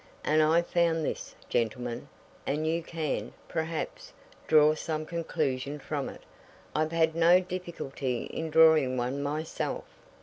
And I found this, gentlemen and you can, perhaps, draw some conclusion from it I've had no difficulty in drawing one myself."